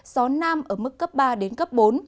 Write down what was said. gió nam ở mức cấp ba bốn